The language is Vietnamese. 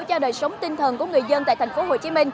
cho đời sống tinh thần của người dân tại tp hcm